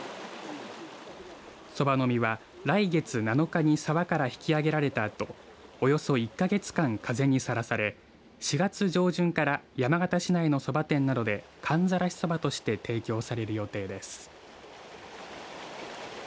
そばの実は来月７日に沢から引き揚げられたあとおよそ１か月間、風にさらされ４月上旬から山形市内のそば店などで寒ざらしそばとして提供される予定です。